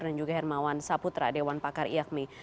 dan pak bimawan saputra dewan pakar iakmi